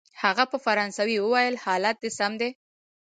هغه په فرانسوي وویل: حالت دی سم دی؟